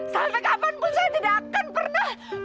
sampai kapanpun saya tidak akan pernah